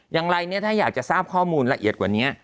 อย่างไรเนี่ยถ้าอยากจะทราบข้อมูลละเอียดกว่านี้